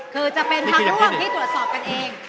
คือจะเป็นพักร่วมที่ตรวจสอบกันเอง